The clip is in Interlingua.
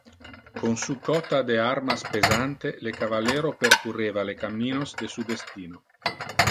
Con su cotta de armas pesante le cavallero percurreva le camminos de su destino.